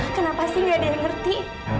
kenapa sih gak ada yang ngerti